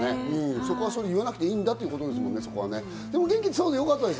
そこは言わなくていいんだということだと思います。